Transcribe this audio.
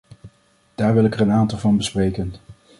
Daar wil ik er een aantal van bespreken.